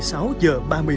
đồng đội với nhân dân